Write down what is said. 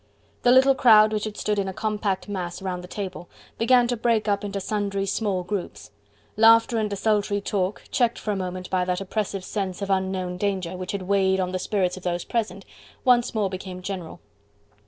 The little crowd which had stood in a compact mass round the table, began to break up into sundry small groups: laughter and desultory talk, checked for a moment by that oppressive sense of unknown danger, which had weighed on the spirits of those present, once more became general.